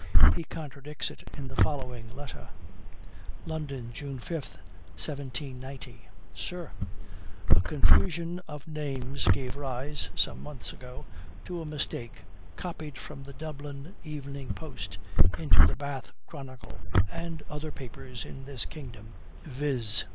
He contradicts it in the following letter: "London, June 5, 1790. "Sir A confusion of names gave rise, some months ago, to a mistake copied from the Dublin Evening Post into the Bath Chronicle, and other papers in this kingdom, viz.